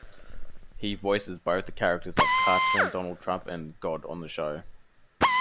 He voices both the characters of "Cartoon Donald Trump" and "God" on the show.